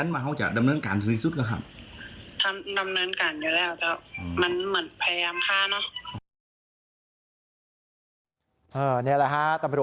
นี่แหละฮะ